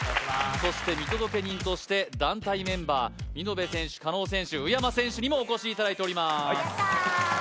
そして見届人として団体メンバー見延選手加納選手宇山選手にもお越しいただいております